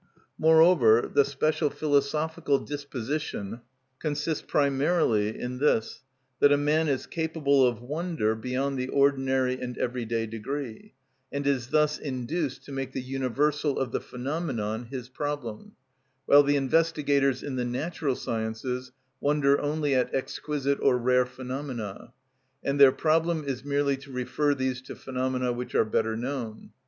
_) Moreover, the special philosophical disposition consists primarily in this, that a man is capable of wonder beyond the ordinary and everyday degree, and is thus induced to make the universal of the phenomenon his problem, while the investigators in the natural sciences wonder only at exquisite or rare phenomena, and their problem is merely to refer these to phenomena which are better known.